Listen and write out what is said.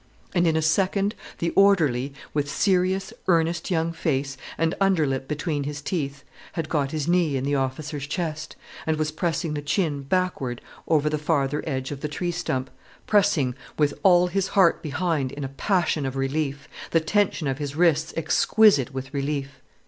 And in a second the orderly, with serious, earnest young face, and under lip between his teeth, had got his knee in the officer's chest and was pressing the chin backward over the farther edge of the tree stump, pressing, with all his heart behind in a passion of relief, the tension of his wrists exquisite with relief.